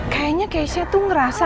kayaknya keisha tuh ngerasa